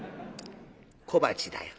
小鉢だよ。